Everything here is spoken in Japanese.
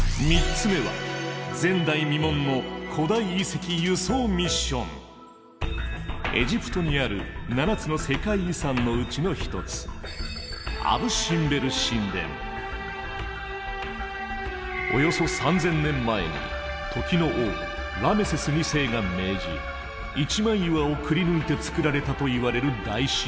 ３つ目はエジプトにある７つの世界遺産のうちの一つおよそ３，０００年前に時の王ラメセス２世が命じ一枚岩をくりぬいて造られたといわれる大神殿。